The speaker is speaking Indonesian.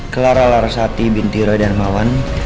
clara larosati binti roy darmawan